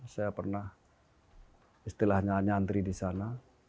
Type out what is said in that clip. saya pernah istilahnya nyantri di sana